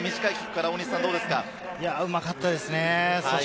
うまかったですね。